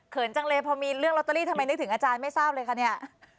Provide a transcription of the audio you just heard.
จังเลยพอมีเรื่องลอตเตอรี่ทำไมนึกถึงอาจารย์ไม่ทราบเลยคะเนี่ย